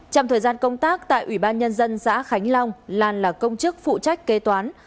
trong thời gian công tác tại ủy ban nhân dân xã khánh long lan là công chức phụ trách kế toán